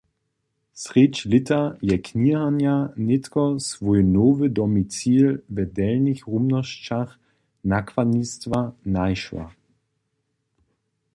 Srjedź lěta je kniharnja nětko swój nowy domicil w delnich rumnosćach nakładnistwa našła.